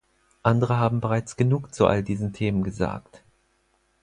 Andere haben bereits genug zu all diesen Themen gesagt.